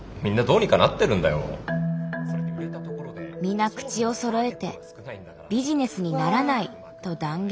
皆口をそろえて「ビジネスにならない」と断言。